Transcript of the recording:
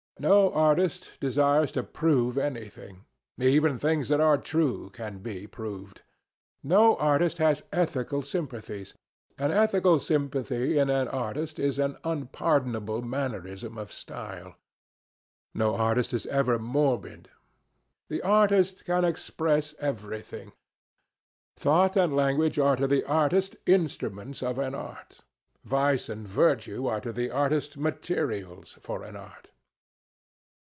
No artist desires to prove anything. Even things that are true can be proved. No artist has ethical sympathies. An ethical sympathy in an artist is an unpardonable mannerism of style. No artist is ever morbid. The artist can express everything. Thought and language are to the artist instruments of an art. Vice and virtue are to the artist materials for an art.